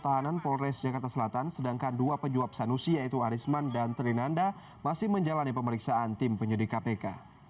tahanan polres jakarta selatan sedangkan dua penjuap sanusi yaitu arisman dan trinanda masih menjalani pemeriksaan tim penyidik kpk